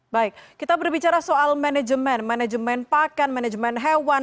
baik kita berbicara soal manajemen manajemen pakan manajemen hewan